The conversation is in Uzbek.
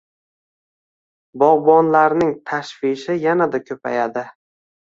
Bogʻbonlarning tashvishi yanada koʻpayadi.